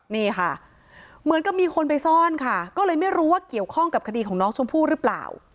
นี่ค่ะเหมือนกับมีคนไปซ่อนค่ะก็เลยไม่รู้ว่าเกี่ยวข้องกับคดีของน้องชมพู่หรือเปล่า